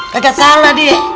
gak salah dia